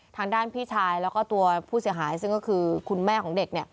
ทางด้านพี่ชายแล้วก็ตัวผู้เสียหายซึ่งก็คือคุณแม่ของเด็ก